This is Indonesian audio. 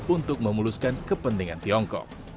untuk memuluskan kepentingan tiongkok